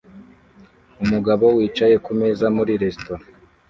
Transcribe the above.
Umugabo wicaye kumeza muri resitora